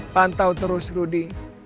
pantau terus rudy